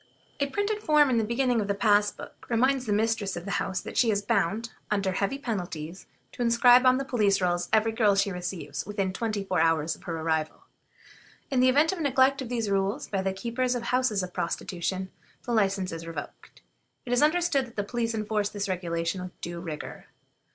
A printed form in the beginning of the pass book reminds the mistress of the house that she is bound, under heavy penalties, to inscribe on the police rolls every girl she receives within twenty four hours of her arrival. In the event of the neglect of these rules by the keepers of houses of prostitution, the license is revoked. It is understood that the police enforce this regulation with due rigor.